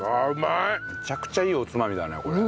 めちゃくちゃいいおつまみだねこれ。